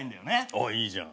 おっいいじゃん。